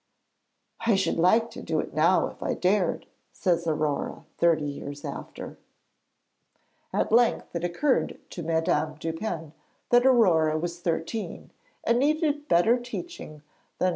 'I should like to do it now, if I dared,' says Aurore thirty years after. At length it occurred to Madame Dupin that Aurore was thirteen, and needed better teaching than M.